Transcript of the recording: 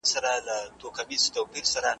که مېرمن وه که یې دواړه ماشومان وه ,